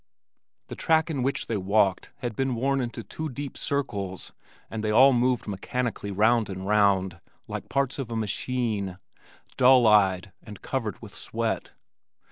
The track in which they walked had been worn into two deep circles and they all moved mechanically round and round, like parts of a machine, dull eyed and covered with sweat.